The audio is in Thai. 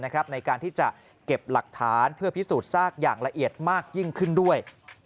ในการที่จะเก็บหลักฐานเพื่อพิสูจน์ซากอย่างละเอียดมากยิ่งขึ้นด้วย